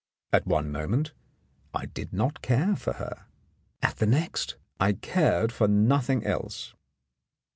At one moment I did not care for her; at the next I cared for nothing else.'"'